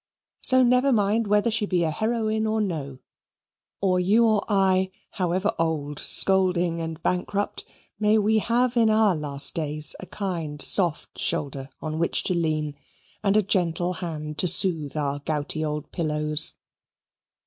So, never mind, whether she be a heroine or no; or you and I, however old, scolding, and bankrupt may we have in our last days a kind soft shoulder on which to lean and a gentle hand to soothe our gouty old pillows.